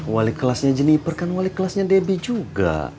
wali kelasnya jeniper kan wali kelasnya debbie juga